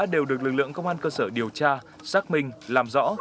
đều được lực lượng công an cơ sở điều tra xác minh làm rõ